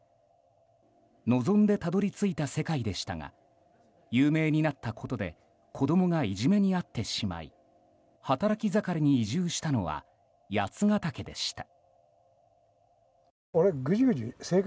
望んでたどり着いた世界でしたが有名になったことで子供がいじめに遭ってしまい働き盛りに移住したのは八ヶ岳でした。